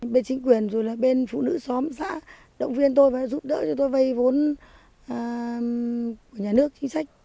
bên chính quyền rồi là bên phụ nữ xóm xã động viên tôi và giúp đỡ cho tôi vay vốn của nhà nước chính sách